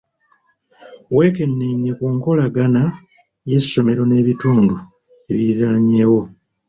Wekennenya ku nkolagana y'essomero n'ebitundu ebiriraanyeewo.